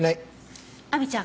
亜美ちゃん